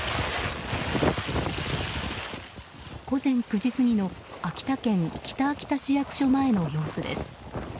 午前９時過ぎの秋田県北秋田市役所前の様子です。